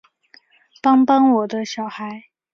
帮帮我的小孩